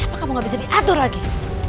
kenapa kamu gak bisa diatur lagi